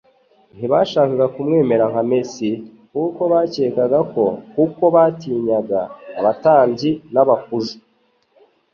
Ntibashakaga kumwemera nka Mesiya, nk'uko bakekaga kuko batinyaga abatambyi n'abakuju,